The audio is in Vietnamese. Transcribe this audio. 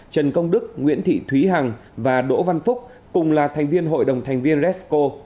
trần công đức nguyễn thị thúy hằng và đỗ văn phúc cùng là thành viên hội đồng thành viên resco